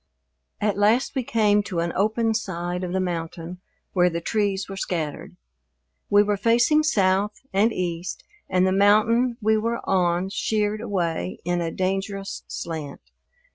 At last we came to an open side of the mountain where the trees were scattered. We were facing south and east, and the mountain we were on sheered away in a dangerous slant.